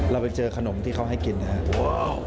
เราไปเจอขนมที่เขาให้กินนะครับ